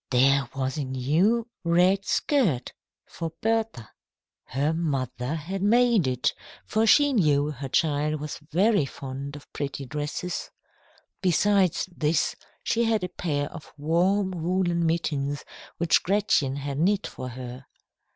There was a new red skirt for Bertha. Her mother had made it, for she knew the child was fond of pretty dresses. Besides this, she had a pair of warm woollen mittens which Gretchen had knit for her.